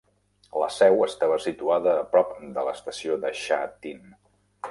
La seu estava situada a prop de l'estació de Sha Tin.